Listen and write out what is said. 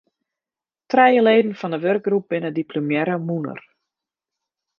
Trije leden fan de wurkgroep binne diplomearre mûnder.